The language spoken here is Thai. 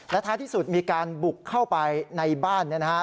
และท้ายที่สุดมีการบุกเข้าไปในบ้านนะครับ